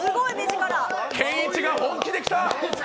ケンイチが本気で来た！